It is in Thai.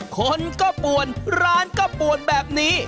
คนก็ป่วนร้านก็ปวดแบบนี้